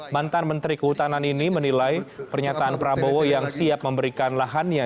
mantan menteri kehutanan ini menilai pernyataan prabowo yang siap memberikan lahannya